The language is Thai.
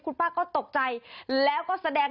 คุณป้าก็ตกใจแล้วก็แสดง